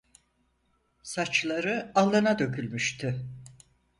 Saçları alnına dökülmüştü.